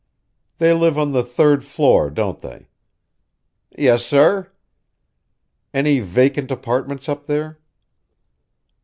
"They live on the third floor, don't they?" "Yes, sir." "Any vacant apartments up there?"